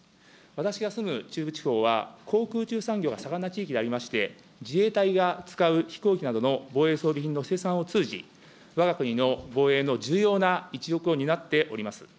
私が住む中部地方は、航空宇宙産業が盛んな地域でありまして、自衛隊が使う飛行機などの防衛装備品の生産を通じ、わが国の防衛の重要な一翼を担っております。